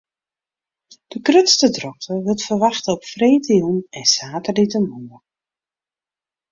De grutste drokte wurdt ferwachte op freedtejûn en saterdeitemoarn.